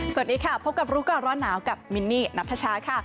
สวัสดีครับพบกับลูกฟาวร่อนนาวกับมินนี่นับทช้าค่ะ